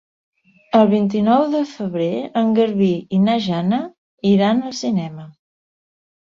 El vint-i-nou de febrer en Garbí i na Jana iran al cinema.